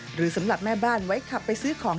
หรือสำหรับแม่บ้านไว้ขับไปซื้อของ